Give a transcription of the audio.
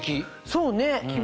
そうね。